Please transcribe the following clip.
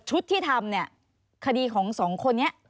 ที่ทำเนี่ยคดีของสองคนนี้